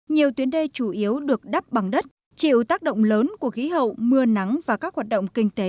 nhiều tuyến đê chủ yếu được đắp bằng đất chịu tác động lớn của khí hậu mưa nắng và các hoạt động kinh tế